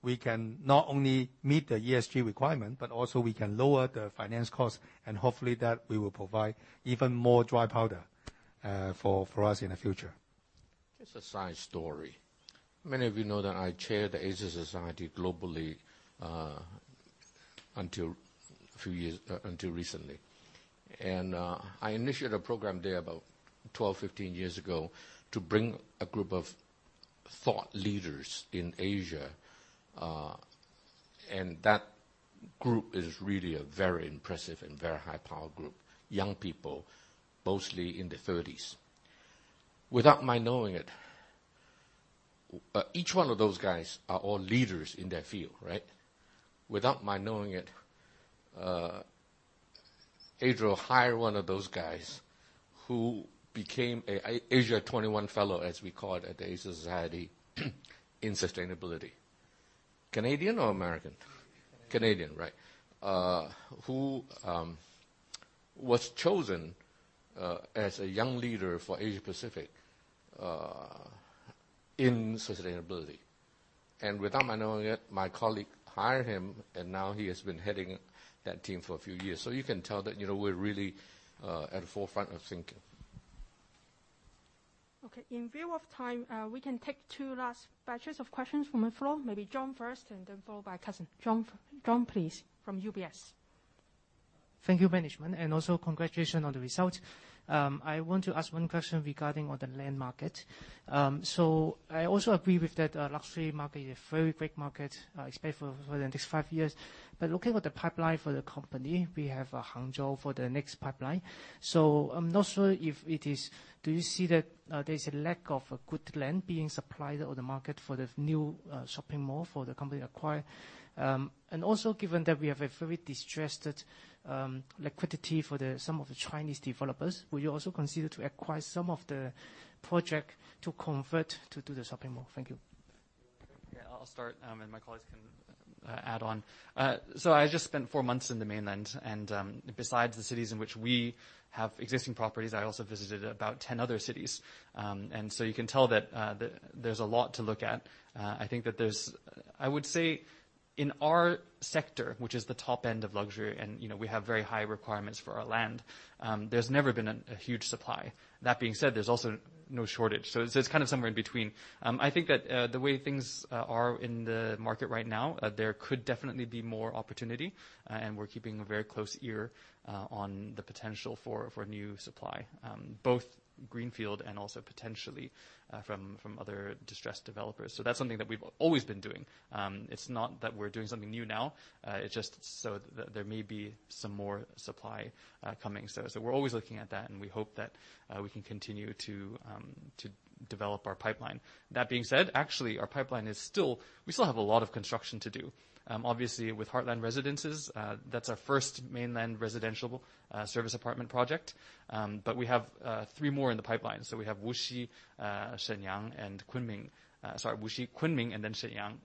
we can not only meet the ESG requirement, but also we can lower the finance cost, hopefully that we will provide even more dry powder for us in the future. Just a side story. Many of you know that I chaired the Asia Society globally until recently. I initiated a program there about 12, 15 years ago to bring a group of thought leaders in Asia. That group is really a very impressive and very high-power group. Young people, mostly in their 30s. Without my knowing it, each one of those guys are all leaders in their field, right? Without my knowing it, Adriel hired one of those guys who became an Asia 21 Fellow, as we call it at the Asia Society, in sustainability. Canadian or American? Canadian. Canadian, right, who was chosen as a young leader for Asia Pacific in sustainability. Without my knowing it, my colleague hired him, and now he has been heading that team for a few years. You can tell that we're really at the forefront of thinking. Okay. In view of time, we can take two last batches of questions from the floor, maybe John first and then followed by Cusson. John, please. From UBS. Thank you, management. Also, congratulations on the results. I want to ask one question regarding on the land market. I also agree with that luxury market is a very great market, especially for the next five years. Looking at the pipeline for the company, we have Hangzhou for the next pipeline. I'm not sure Do you see that there's a lack of good land being supplied or the market for the new shopping mall for the company acquire? Also, given that we have a very distressed liquidity for some of the Chinese developers, will you also consider to acquire some of the project to convert to the shopping mall? Thank you. I'll start, my colleagues can add on. I just spent four months in the Mainland, and besides the cities in which we have existing properties, I also visited about 10 other cities. You can tell that there's a lot to look at. I would say in our sector, which is the top end of luxury, and we have very high requirements for our land, there's never been a huge supply. That being said, there's also no shortage. It's kind of somewhere in between. I think that the way things are in the market right now, there could definitely be more opportunity, and we're keeping a very close ear on the potential for new supply, both greenfield and also potentially from other distressed developers. That's something that we've always been doing. It's not that we're doing something new now. It's just that there may be some more supply coming. We're always looking at that, and we hope that we can continue to develop our pipeline. That being said, actually, we still have a lot of construction to do. Obviously, with Heartland Residences, that's our first Mainland residential service apartment project, but we have three more in the pipeline. We have Wuxi, Shenyang, and Kunming. Sorry, Wuxi, Kunming, and then Shenyang.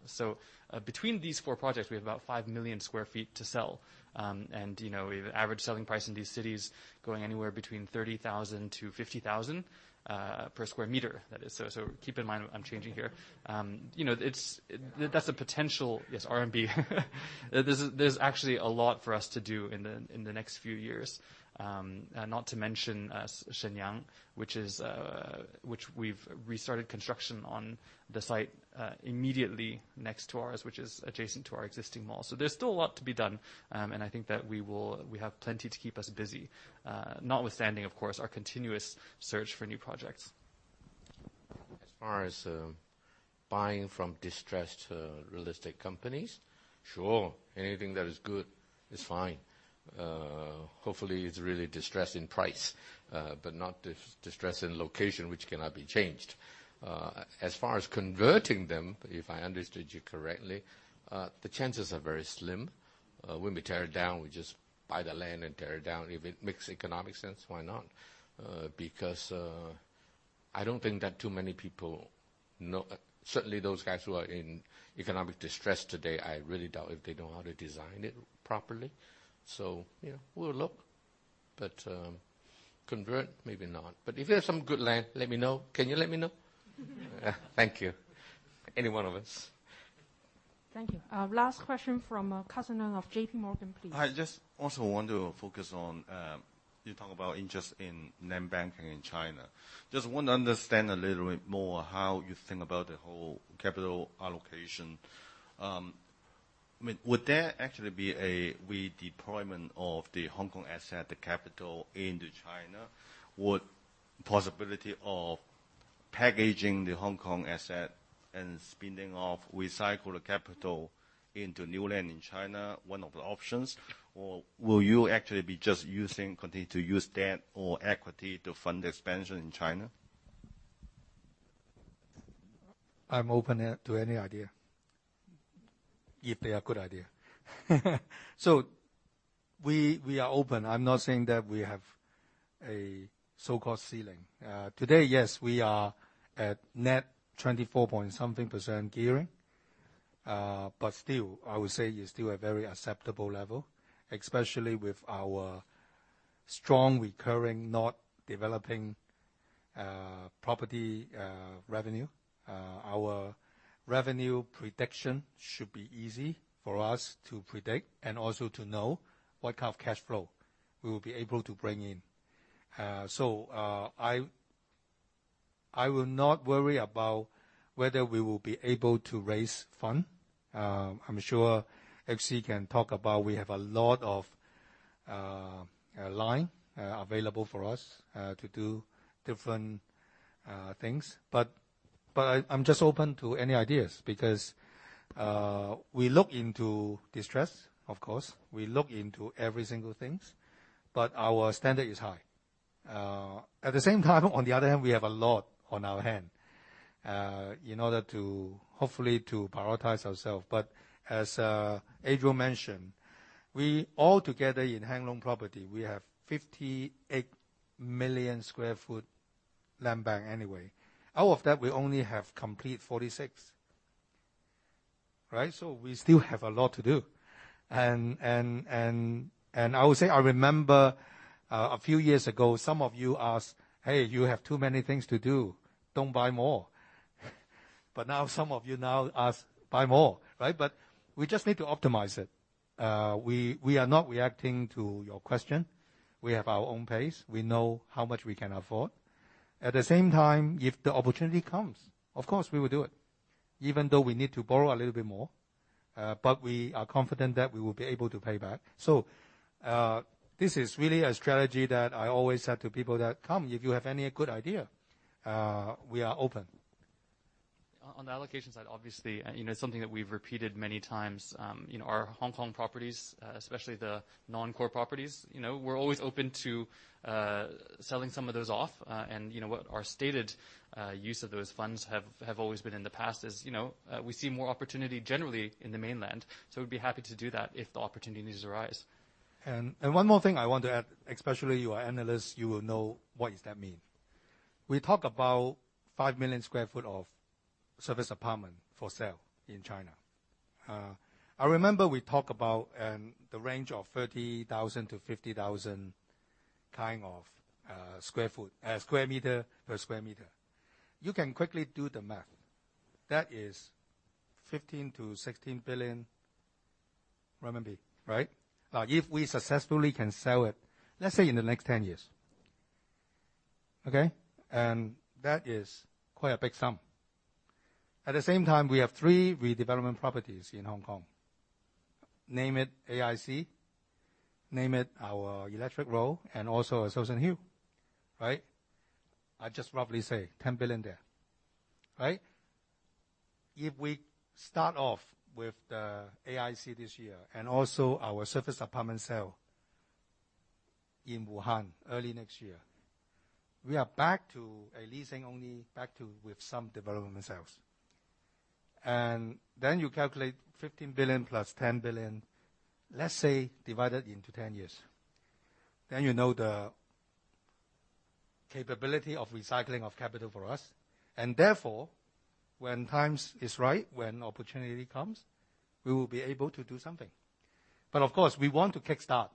Between these four projects, we have about five million sq ft to sell. We have an average selling price in these cities going anywhere between 30,000-50,000 per sq m, that is. Keep in mind, I'm changing here. That's a potential, yes, RMB. There's actually a lot for us to do in the next few years. Not to mention Shenyang, which we've restarted construction on the site immediately next to ours, which is adjacent to our existing mall. There's still a lot to be done, and I think that we have plenty to keep us busy. Notwithstanding, of course, our continuous search for new projects. As far as buying from distressed real estate companies, sure. Anything that is good is fine. Hopefully, it's really distressed in price, but not distressed in location, which cannot be changed. As far as converting them, if I understood you correctly, the chances are very slim. When we tear it down, we just buy the land and tear it down. If it makes economic sense, why not? Because I don't think that too many people know. Certainly, those guys who are in economic distress today, I really doubt if they know how to design it properly. We'll look. Convert, maybe not. If you have some good land, let me know. Can you let me know? Thank you. Any one of us. Thank you. Last question from Cusson Leung of J.P. Morgan, please. I just also want to focus on, you talk about interest in land banking in China. Just want to understand a little bit more how you think about the whole capital allocation. Would there actually be a redeployment of the Hong Kong asset, the capital into China? Would possibility of packaging the Hong Kong asset and spinning off, recycle the capital into new land in China, one of the options? Will you actually be just continue to use debt or equity to fund the expansion in China? I'm open to any idea, if they are good idea. We are open. I'm not saying that we have a so-called ceiling. Today, yes, we are at net 24 point something percent gearing. Still, I would say it's still a very acceptable level, especially with our strong recurring, not developing property revenue. Revenue prediction should be easy for us to predict and also to know what kind of cash flow we will be able to bring in. I will not worry about whether we will be able to raise fund. I'm sure H.C. can talk about, we have a lot of line available for us to do different things. I'm just open to any ideas because we look into distress, of course, we look into every single things, but our standard is high. At the same time, on the other hand, we have a lot on our hand in order to, hopefully, to prioritize ourselves. As Adriel mentioned, we all together in Hang Lung Properties, we have 58 million sq ft land bank anyway. Out of that, we only have complete 46. Right? We still have a lot to do. I would say, I remember a few years ago, some of you asked, "Hey, you have too many things to do. Don't buy more." Now some of you now ask, "Buy more." Right? We just need to optimize it. We are not reacting to your question. We have our own pace. We know how much we can afford. At the same time, if the opportunity comes, of course, we will do it, even though we need to borrow a little bit more. We are confident that we will be able to pay back. This is really a strategy that I always said to people that, "Come, if you have any good idea, we are open. On the allocation side, obviously, something that we've repeated many times in our Hong Kong properties, especially the non-core properties, we're always open to selling some of those off. Our stated use of those funds have always been in the past is, we see more opportunity generally in the Mainland. We'd be happy to do that if the opportunities arise. One more thing I want to add, especially you are analysts, you will know what does that mean. We talk about 5 million sq ft of service apartment for sale in China. I remember we talk about the range of 30,000-50,000 sq m per sq m. You can quickly do the math. That is 15 billion-16 billion renminbi. Right? If we successfully can sell it, let's say in the next 10 years. Okay? That is quite a big sum. At the same time, we have three redevelopment properties in Hong Kong. Name it AIC, name it our Electric Road, and also our Shouson Hill. Right? I just roughly say 10 billion there. Right? If we start off with the AIC this year, and also our service apartment sale in Wuhan early next year, we are back to a leasing only, back to with some development sales. Then you calculate 15 billion plus 10 billion, let's say divided into 10 years. You know the capability of recycling of capital for us. Therefore, when times is right, when opportunity comes, we will be able to do something. Of course, we want to kickstart.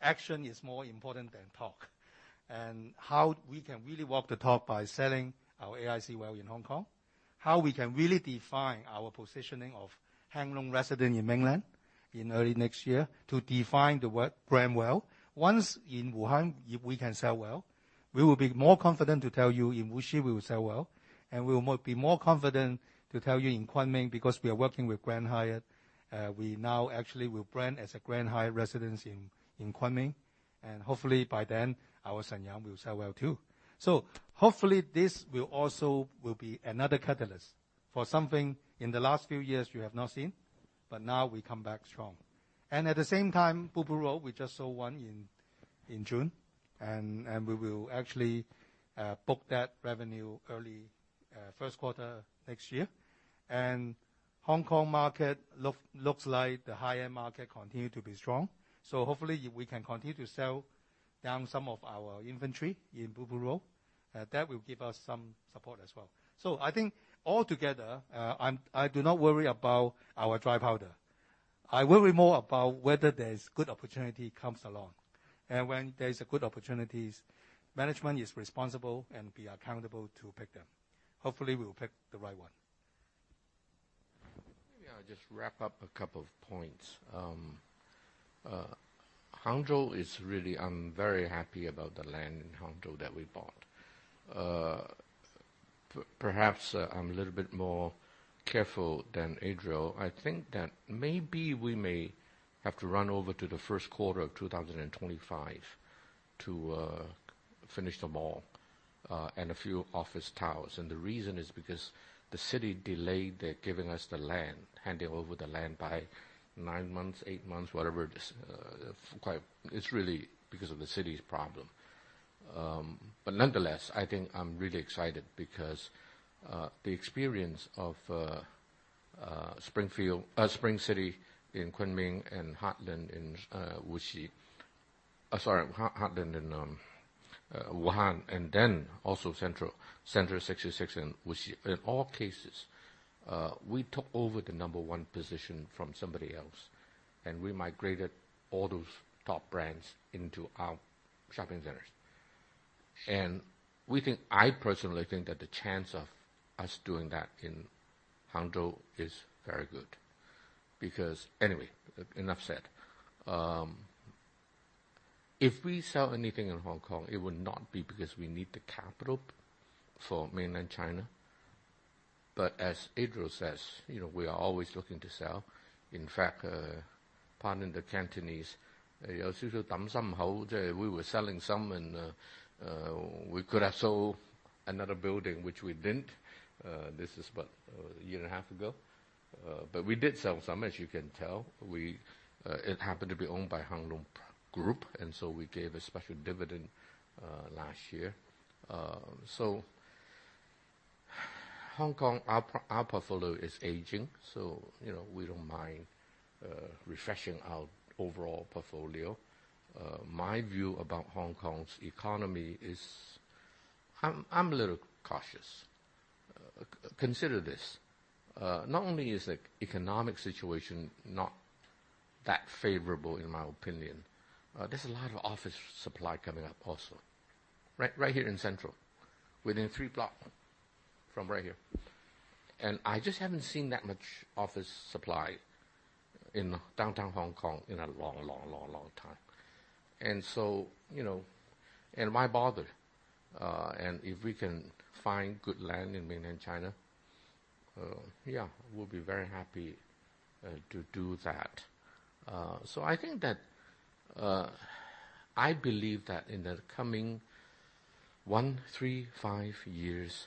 Action is more important than talk. How we can really walk the talk by selling our AIC well in Hong Kong, how we can really define our positioning of Hang Lung Residences in mainland in early next year to define the work brand well. Once in Wuhan, if we can sell well, we will be more confident to tell you in Wuxi we will sell well, we will be more confident to tell you in Kunming, because we are working with Grand Hyatt. We now actually will brand as a Grand Hyatt Residences Kunming. Hopefully by then, our Shenyang will sell well too. Hopefully this will also be another catalyst for something in the last few years you have not seen, but now we come back strong. At the same time, Blue Pool Road, we just sold one in June, and we will actually book that revenue early first quarter next year. Hong Kong market looks like the high-end market continue to be strong. Hopefully, we can continue to sell down some of our inventory in Blue Pool Road. That will give us some support as well. I think altogether, I do not worry about our dry powder. I worry more about whether there is good opportunity comes along. When there's good opportunities, management is responsible and be accountable to pick them. Hopefully, we will pick the right one. Maybe I'll just wrap up a couple of points. Hangzhou is really I'm very happy about the land in Hangzhou that we bought. Perhaps I'm a little bit more careful than Adriel. I think that maybe we may have to run over to the first quarter of 2025 to finish the mall, and a few office towers. The reason is because the city delayed their giving us the land, handing over the land by nine months, eight months, whatever. It's really because of the city's problem. Nonetheless, I think I'm really excited because the experience of Spring City in Kunming and Heartland in Wuhan, and then also Center 66 in Wuxi, in all cases, we took over the number one position from somebody else, and we migrated all those top brands into our shopping centers. I personally think that the chance of us doing that in Hangzhou is very good. Anyway, enough said. If we sell anything in Hong Kong, it would not be because we need the capital for mainland China. As Adriel says, we are always looking to sell. In fact, pardon the Cantonese, we were selling some and we could have sold another building, which we didn't. This is about year and a half years ago. We did sell some, as you can tell. It happened to be owned by Hang Lung Group, and so we gave a special dividend last year. Hong Kong, our portfolio is aging, so we don't mind refreshing our overall portfolio. My view about Hong Kong's economy is I'm a little cautious. Consider this. Not only is the economic situation not that favorable, in my opinion, there's a lot of office supply coming up also. Right here in Central, within three blocks from right here. I just haven't seen that much office supply in downtown Hong Kong in a long, long, long, long time. Why bother? If we can find good land in mainland China, yeah, we'll be very happy to do that. I think that, I believe that in the coming one, three, five years.